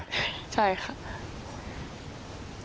ใช่ค่ะ